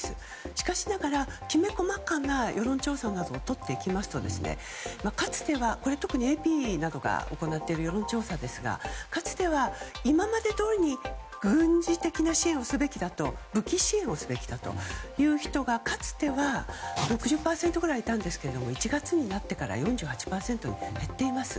しかしながらきめ細かな世論調査などをとっていきますとかつては、特にＡＰが行っている世論調査ですがかつては今までどおりに軍事的な支援武器支援をすべきだという人がかつては６０％ぐらいいたんですが１月になってから４８％に減っています。